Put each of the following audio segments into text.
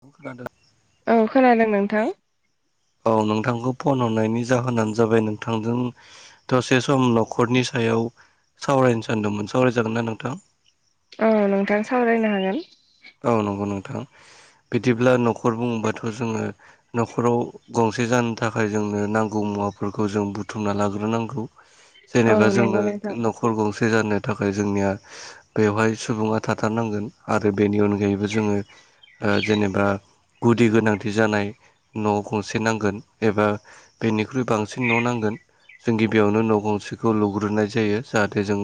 खोनादों औ खोनादों नोंथां औ नोंथांखौ फन हरनायनि जाहोनानो जाबाय नोंथांजों दसे सम न'खरनि सायाव सावरायनो सानदोंमोन सावरायजागोनना नोंथां? औ नोंथां सावरायनो हागोन औ नंगौ नोंथां बिदिब्ला न'खर बुङोबाथ' जोङो न'खराव गंसे जानो थाखाय जोंनो नांगौ मुवा फोरखौ जों बुुथुमना लाग्रोनांगौ औ जेनेबा जोंनो नंगौ नोंथां नखर गंसे जानो थाखाय जोंनिया बेवहाय सुबुङा थाथारनांगोन आरो बेनि अनगायैबो जोङो ओ जेनेबा गुदि गोनांथि जानाय न' गंसे नांगोन एबा बेनिख्रुइ बांसिन न' नांगोन जों गिबियावनो न' गंसेखौ लुग्रोनाय जायो जाहाथे जों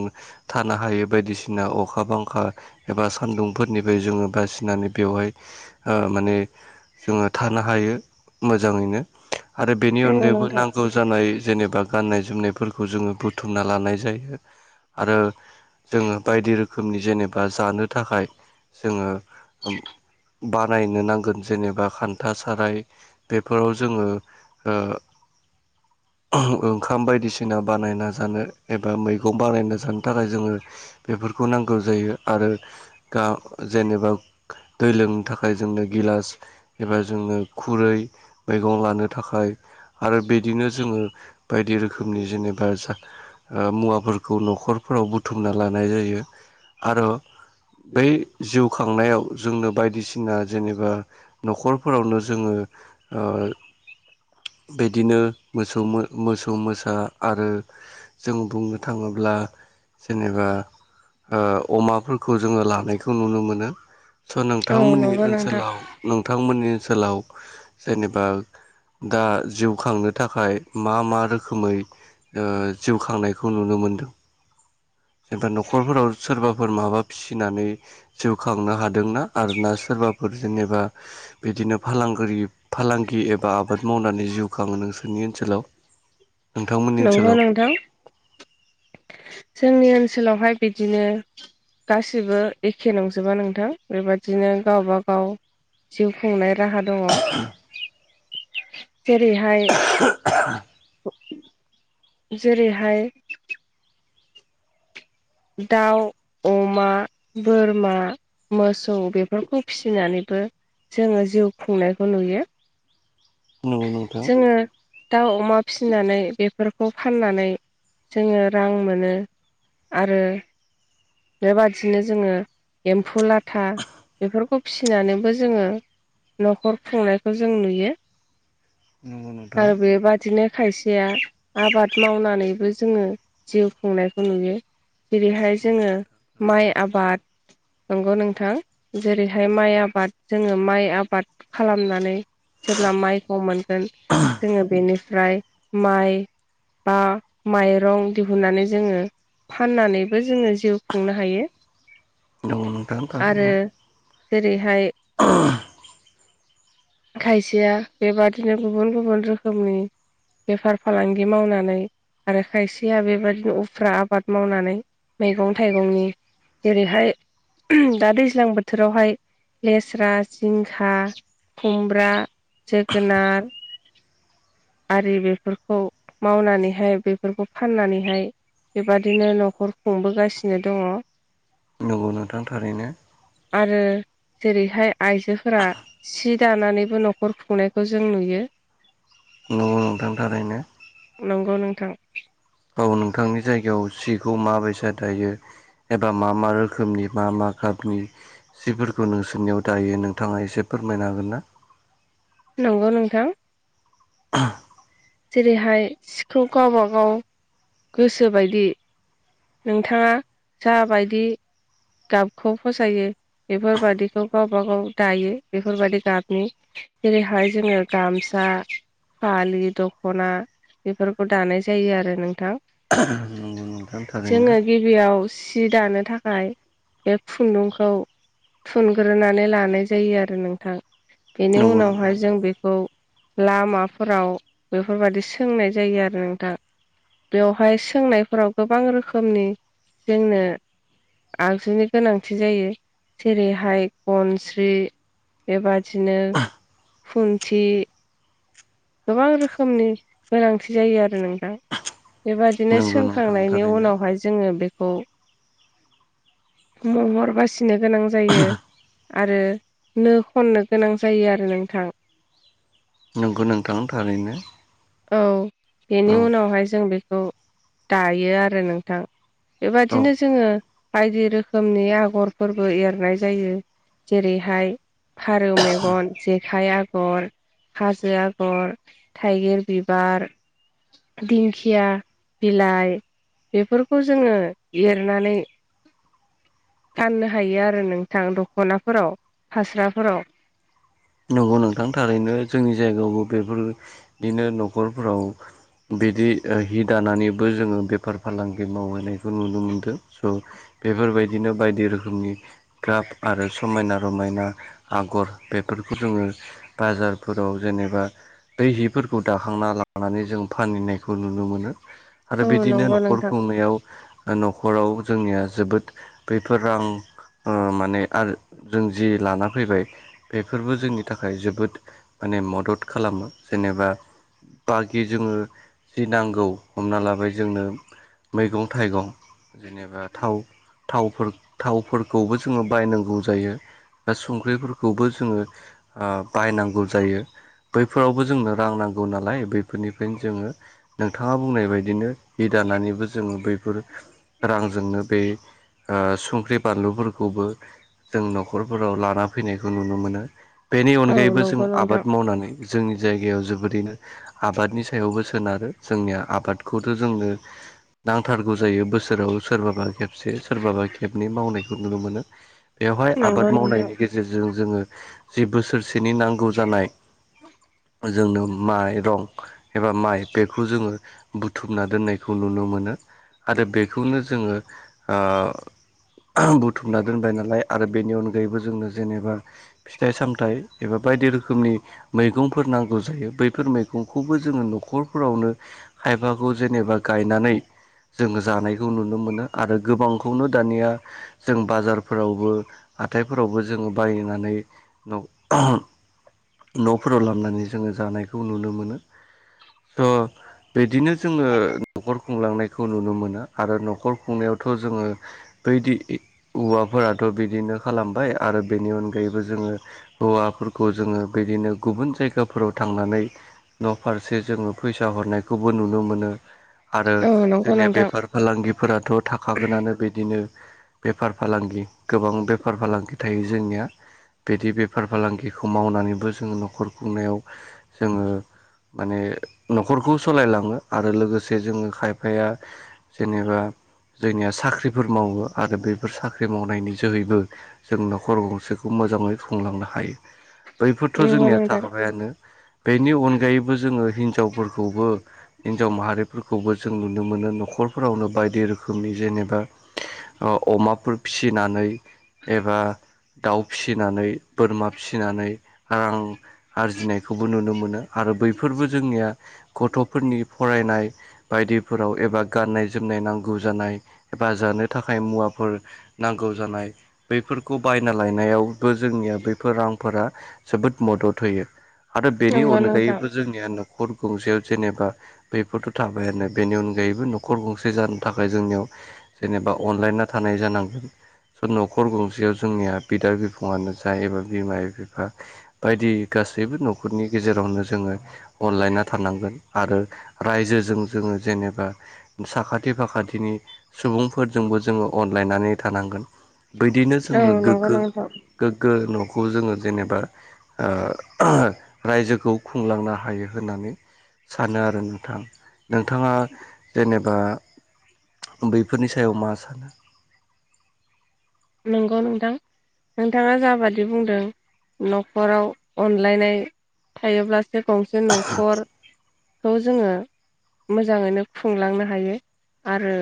थानो हायो बायदिसिना अखा बांखा एबा सानदुं फोरनिफ्राय जोङो बासिनानै बेवहाय ओ माने जोङो थानो हायो मोजाङैनो आरो बेनि नंगौ अनगायैबो नोंथां नांगौ जानाय जेनेबा गाननाय जोमनायफोरखौ जोङो बुथुमना लानाय जायो आरो जोङो बायदि रोखोमनि जेनेबा जानो थाखाय जोङो ओ बानायनो नांगोन जेनेबा खान्था साराय बेफोराव जोङो [inaudible] ओंखाम बायदिसिना बानायना जानो एबा मैगं बानायना जानो थाखाय जोङो बेफोर फोरखौ नांगौ जायो आरो। ग जेनेबा दै लोंनो थाखाय जोंनो गिलास एबा जोंनो खुरै मैगं लानो थाखाय आरो बिदिनो जोङो बायदि रोखोमनि जेनेबा जा मुवाफोरखौ न'खरफोराव बुथुमना लानाय जायो आरो। बै जिउ फ खांनायाव जोंनो बायदिसिना जेनेबा न'खरफोरावनो जोङो [inaudible] बिदिनो मोसौ मोसौ मोसा आरो जों बुंनो थाङोब्ला जेनेबा अमाफोरखौ जोङो लानायखौ नुनो मोनो। सो औ नोंथांमोननि नंगौ नोंथां ओनसोलाव नोंथांमोननि ओनसोलाव जेनेबा दा जिउ खांनो थाखाय मा मा रोखोमै जिउ खांनायखौ नुनो मोनदों? जेनेबा न'खरफोराव सोरबाफोर माबा फिसिनानै जिउ खांनो हादोंना आरो ना सोरबा सोरबाफोर जेनेबा बिदिनो फालांगि फालांगि एबा आबाद मावनानै जिउ खाङो नोंसोर ओनसोलाव नोंथांमोननि नंगौ ओनसोलाव नोंथां जोंनि ओनसोलावहाय बिदिनो गासिबो एखे नंजोबा नोंथां बेबादिनो गावब गाव जिउ खुंनाय राहा दङ। जेरैहाय जेरैहाय दाउ अमा बोरमा मोसौ बेफोरखौ फिसिनानैबो जोङो जिउ खुंनायखौ नुयो। नंगौ नोंथां जोङो दाउ अमा फिसिनानै बेफोरखौ फाननानै जोङो रां मोनो। आरो बेबादिनो जोङो एम्फौ लाथा बेफोरखौ फिसिनानैबो जोङो न'खर खुंनायखौ जों नुयो। उम आरो बेबादिनो खायसेया आबाद मावनानैबो जोङो जिउ खुंनायखौ नुयो जेरैहाय जोङो माइ आबाद नंगौ नोंथां जेरैहाय माइ आबाद जोङो माइ आबाद खालामनानै जेब्ला माइखौ मोनगोन जोङो बेनिफ्राय माइ बा माइरं दिहुननानै जोङो फाननानैबो जोङो जिउ खुंनो हायो। नंगौ नोथां आरो थारैनो जेरैहाय खायसेया बेबादिनो गुबुन गुबुन रोखोमनि बेफार फालांगि मावनानै आरो खायसेया बेबायाददिनो उफ्रा आबाद मावनानै मैगं थाइगंनि जेरैहाय दा दैज्लां बोथोरावहाय लेस्रा जिंखा खुमब्रा जोगोनार आरि बेफोरखौ मावनानैहाय बेफोरखौ फाननानैहाय बेबादिनो न'खर खुंबोगासिनो दङ। नंगौ नोंथां थारैनो आरो जेरैहाय आइजोफोरा सि दानानैबो न'खर न'खर खुंनायखौ जों नुयो। आ नोथां थारैनो नंगौ नोंथां औ नोंथांनि जायगायाव सिखौ माबायसा दायो एबा मा मा रोखोमनि मा मा गाबनि जिफोरखौ नोंसोरनियाव दायो नोंथाङा एसे फोरमायनो हागोन ना? नंगौ नोंथां। [unintelligible] जेरैहाय सिखौ गावबा गाव गोसोबायदि नोंथाङा जाबायदि गाबखौ फसायो बेफोरबादिखौ गावबा गाव दायो बेफोरबायदि गाबनि। जेरैहाय जोङो गामसा फालि, दख'ना बेफोरखौ दानाय जायो आरो नोंथां। ओं नोंगौ नोंथां। जोङो थारैनो गिबियाव सि दानो थाखाय बे खुन्दुंखौ थुनग्रोनानै लानाय जायो आरो नोंथां बेनि नंगौ नोंथां उनावहाय जों बेखौ लामाफोराव बेफोरबायादि सोंनाय जायो आरो नोंथा। बेवहाय सोंनायफोराव गोबां रोखोमनि जोंनो आगजुनि गोनांथि जायो जेरैहाय गनस्रि बेबादिनो खुन्थि गोबां रोखोमनि गोनांथि जायो आरो नोंथां। बेबादिनो नंगौ नोंथां सोंखांनायनि थारैनो उनावहाय जोङो बेखौ महर बासिनो गोनां जायो। आरो नो खननो गोनां जायो आरो नोंथां। नोंगौ नोंथां थारैनो। औ बेनि औ उनावहाय जों बेखौ दायो आरो नोंथां। औ बेबादिनो जोङो बायदि रोखोमनि आगरफोरबो एरनाय जायो। जेरैहाय फारौ मेगन, जेखाइ आगर हाजो आगर, थाइगिर बिबार दिंखिया बिलाइ बेफोरखौ जोङो एरनानै फाननो हायो आरो नोंथां दख'नाफोराव फास्राफोराव। नोंगौ नोंथांनि थारैनो जोंनि जायगायावबो बेफोरदिनो न'खरफोराव बिदि ओ हि दानानैबो जोङो बेफार फालांगि मावहोनायखौ नुनो मोनदों स' बेफोरबायदिनो बायदि रोखोमनि गाब आरो समायना रमायना आगर बे फोरखौ जोङो बाजारफोराव जेनेबा बै हिफोरखौ दाखांना लानानै जों फानहनायखौ नुनो मोनो। आरो औ बिदिनो नंगौ न'खर नोंथां खुंनायाव आ न'खराव जोंनिया जोबोद बेैफोर रां ओ माने आर जों जि लाना फैबाय बेफोरबो जोंनि थाखाय जोबोद माने मदद खालामो जेनेबा बाखि जोङो जि नांगौ हमना लाबाय जोंनो मैगं थाइगं जेनेबा थाव थावफोर थावफोरखौबो जोङो बायनांगौ जायो बा संख्रिफोरखौबो जोङो ओ बायनांगौ जायो। बैफोरावबो जोंनो रां नांगौ नालाय बैफोरनिफ्रायनो जोङो नोंथाङा बुंनाय बायदिनो हि दा दानानैबो जोङो बैफोर रांजोंनो बै ओ संख्रि बानलुफोरखौबो जों न'खरफोराव लाना फैनायखौ नुनो मोन नो बेनि औ अनगायैबो जों नंगौ नोंथां आबाद मावनानै जोंनि जायगायाव जोबोरैनो आबादनि सायावबो सोनारो जोंनिया आबादखौथ' जोंनो नांथारगौ जायो बोसोराव सोरबाबा खेबसे सोरबाबा खेबनै मावनायखौ नुनो मोनो। बेवहाय नंगौ आबाद नोंथां मावनायनि गेजेरजों जोङो जि बोसोरसेनि नांगौ जानाय जोंनो माइरं एबा माइ बेखौ जोङो बुथुमना दोननायखौ नुनो मोनो। आरो बेखौनो जोङो ओ ओ बुथुमना दोनबाय नालाय आरो बेनि अनगायैबो जोंनो जेनेबा फिथाइ सामथाइ एबा बायदि रोखोमनि मैगंफोर नांगौ जायो बैफोर मैगंखौबो जोङो न' न'खरफोरावनो खायफाखौ जेनेबा गायनानै जोंङो जानायखौ नुनो मोनो। आरो गोबांखौनो दानिया जों बाजारफोरावबो हाथायफोरावबो जों बायनानै न'फोराव लाबनानै जोङो जानायखौ नुनो मोनो। थ' बिदिनो जोङो न'खर खुंलांनायखौ नुनो मोनो आरो न'खर खुंनायाव थ' जोङो बैदि हुवाफोराथ' बिदिनो खालामबाय आरो बेनि अनगायैबो जों जोङो हौवाफोरखौ जोङो बिदिनो गुबुन जायगाफोराव थांनानै न'फारसे जोङो फैसा हरनायखौबो नुनो मोनो आरो औ नंगौ जोंनिया नोंथां बेफार फालांगिफोराथ' थाखागोनानो बिदिनो बेफार फालांगि गोबां बेफार-फालांगि थायो जोंनिया बिदि बेफार फालांगिखौ मावनानैबो जोंङो न'खर खुंनायाव जोङो माने न'खरखौ सालायलाङो आरो लोगोसे जोङो खायफाया जेनेबा जोंनिया साख्रिफोर मावो आरो बेफोर साख्रि मावनायनि जोहैबो जों न'खर गंसेखौ मोजाङै खुंलांनो हायो बैफोरथ' नंगौ जोंनिया नोंथां थाखाबायानो बेनि अनगायैबो जोङो हिनजावफोरखौबो हिनजाव माहारिफोरखौबो जों नुनो मोनो न'खर न'खरफोरावनो बायदि रोखोमनि जेनेबा ओ अमाफोर फिसिनानै एबा दाउ फिसिनानै बोरमा फिसिनानै रां आरजिनायखौबो नुनो मोनो आरो बैफोरबो जोंनिया गथ'फोरनि फरायनाय बायदिफोराव एबा गाननाय जोमनाय नांगौ जानाय बा जानो थाखाय मुवाफोर नांगौ जानाय बैफोरखौ बायना लायनायावबो जोंनिया बैफोर रांफोरा जोबोद मदद होयो आरो बेनि नंगौ नोंथां अनगायैबो जोंनिया न'खर गंसेयाव जेनेबा बैफोरथ' थाबायानो बेनि अनगायैबो न'खर गंसे जानो थाखाय जोंनियाव जेने बा अनलायना थानाय जानांगोन स' न'खर गंसेयाव जोंनिया बिदा बिफ ङानो जा एबा बिमा-बिफा बायदि गासैबो न'खरनि गेजेरावनो जोङो अनलायना थानांगोन आरो रायजोजों जोङो जेनेबा साखाथि फाखाथिनि सुबुंफोरजोंबो जोङो अनलायनानै थानांगोन बिदिनो औ जोङो नंगौ गोग्गो नोंथां गो न'खौ जोङो जेनेबा ओ रायजोखौ खुंलांनो हायो होननानै सानो आरो नोंथां नोंथाङा जेनेबा बैफोरनि सायाव मा सानो नंगौ नोंथां नोंथाङा जाबादि बुंदों न'खराव अनलायनाय थायोब्लासो गसे [unintelligible] गंसे न'खर खौ जोङो मोजाङैनो खुंलांनो हायो आरो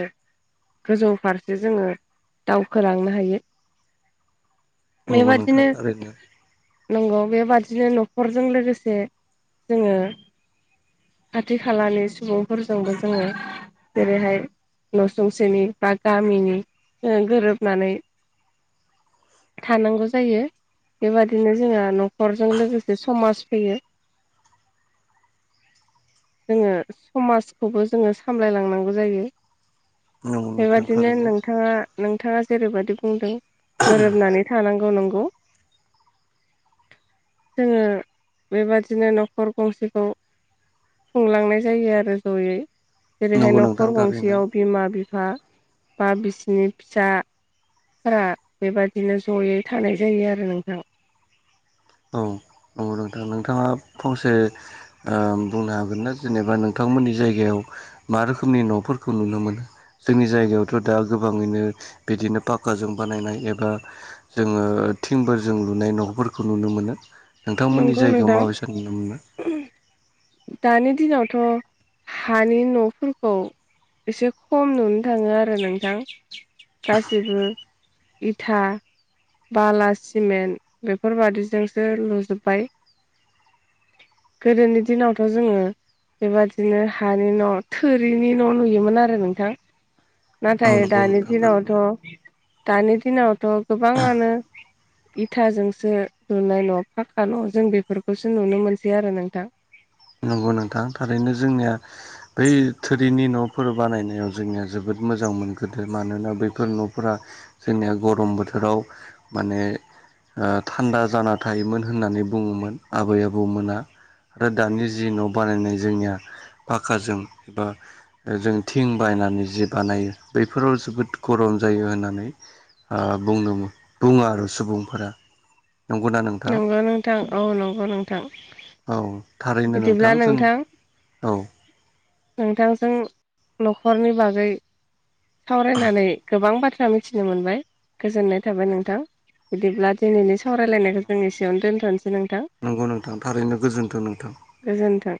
गोजौ फारसे जोङो दावखोलांनो हायो नंगौ नोंथां बेबादिनो थारैनो नंगौ बेबादिनो न खरजों लोगोसे जोङो खाथि खालानि सुबुंफोरजोंबो जोङो जेरैहाय न' संसेनि बा गामिनि ओ गोरोबनानै थानांगौ जायो बेबादिनो जोंहा न'खरजों लोगोसे समाज बेयो जोङो समाजखौबो जोङो सामलायलांनांगौ जायो नंगौ नोंथां बेबादिनो थारैनो नोंथाङा नोंथाङा जेरैबायदि बुंदों गोरोबनानै थानांगौ नंगौ जोङो बेबादिनो न'खर गंसेखौ खुंलांनाय जायो आरो जयै जेरैहाय नंगौ नोंथां न'खर थारैनो गंसेयाव बिमा-बिफा बा बिसिनि फिसा फोरा बेबादिनो जयै थानाय जायो आरो नोंथां। औ औ नंगौ नोंथां नोंथाङा फंसे ओ बुंनो हागोन ना जेनेबा नोंथां। मोननि जायगायाव मा रोखोमनि न'फोरखौ नुनो मोनो जोंनि जायगायावथ' दा गोबाङैनो। बिदिनो पाक्काजों बानायनाय एबा जोङो थिंफोरजों लुनाय न'फोरखौ। नुनो मोनो नोंथांमोननि नंगौ जायगायाव नोंथां माबायसा नुनो मोनो। दानि दिनावथ' हानि न'फोरखौ एसे खम नुनो थाङो आरो नोंथां गासैबो। इथा बाला सिमेन्ट बेफोरबादिजोंसो लुजोब। बाय गोदोनि दिनावथ जोङो। बेबादिनो हानि न' थोरिनि न' नुयोमोन आरो नोंथां। औ नाथाय नंगौ दानि नोंथां दिनावथ थारैनो दानि दिनावथ गोबाङानो इथाजोंसो लुनाय न' फा खा न' जों बेफोरखौसो नुनो मोनसै आरो नोंथां। नंगौ नोंथा थारैनो जोंनिया बै थोरिनि न'फोर बानायनायाव जोंनिया जोबोद मोजां मोनो। मोनग्रोदो मानोना बैफोर न'फोरा जोंनिया गरम बोथोराव माने। थान्दा जाना थायोमोन होननानै बुङोमोन आबै आबौमोना आरो दानि जि न' बानायनाय जोंनिया पाकाजों एबा जों थिं बायनानै जि बानायो बैफोराव जोबोद गरम। जायो होननानै बुङो आरो सुबुंफोरा। नंगौना नोंथां नंगौ नोंथां औ नंगौ नोंथां। औ थारैनो नोंथां जों औ। नोंथांजों न'खरनि बागै सावरायनानै गोबां बाथ्रा। मिथिनो मोनबाय गोजोननाय थाबाय नोंथां बिदिब्ला दिनैनि। सावरायलायनायखौ जों एसेयावनो दोन्थनोसै नोंथां नंगौ नोंथां थारैनो गोजोन्थों नोंथां गोजोन्थों।